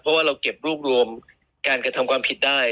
เพราะว่าเราเก็บรวบรวมการกระทำความผิดได้